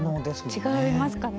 違いますかね。